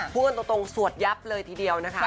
คุกกี้มองสวดยับเลยทีเดียวนะคะ